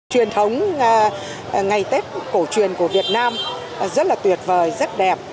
truyền thống ngày tết cổ truyền của việt nam rất là tuyệt vời rất đẹp